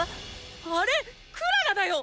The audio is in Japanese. あれクララだよ！